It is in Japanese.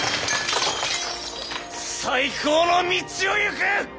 再興の道を行く！